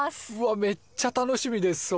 めっちゃ楽しみですそれ！